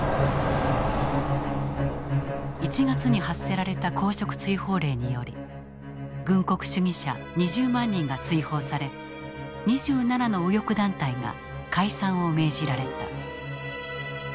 １月に発せられた公職追放令により軍国主義者２０万人が追放され２７の右翼団体が解散を命じられた。